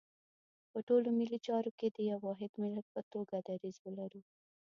په ټولو ملي چارو کې د یو واحد ملت په توګه دریځ ولرو.